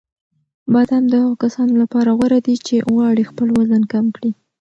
بادام د هغو کسانو لپاره غوره دي چې غواړي خپل وزن کم کړي.